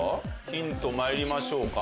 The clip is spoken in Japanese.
ヒントまいりましょうか。